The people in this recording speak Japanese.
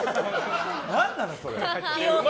何なの、それ。